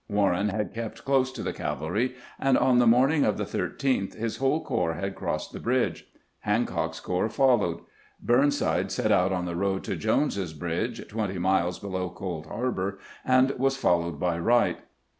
Warren had kept close to the cavalry, and on the morning of the 13th his whole corps had crossed the bridge. Hancock's corps followed. Burnside set out on the road to Jones's Bridge, twenty miles below Cold Harbor, and was followed by Wright.